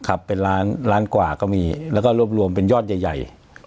ครับเป็นล้านล้านกว่าก็มีแล้วก็รวบรวมเป็นยอดใหญ่